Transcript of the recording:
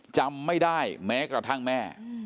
จำไม่ได้แม้กระทั่งแม่